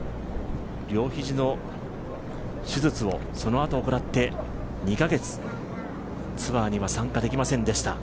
両肘の手術を、そのあと行って２か月、ツアーには参加できませんでした。